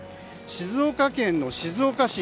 静岡県の静岡市。